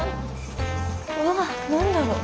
うわ何だろう。